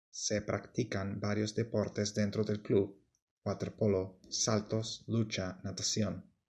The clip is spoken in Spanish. Se practican varios deportes dentro del club: waterpolo, saltos, lucha, natación...